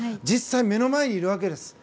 実際、目の前にいるわけです。